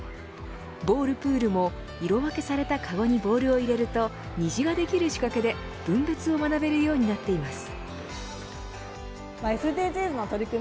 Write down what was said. ボールプールも、色分けされたかごにボールを入れると虹ができる仕掛けで分別を学べるようになっています。